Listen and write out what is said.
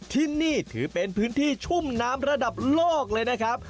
ที่นี่ถือเป็นพื้นที่ชุ่มน้ำระดับโลกเลยนะครับ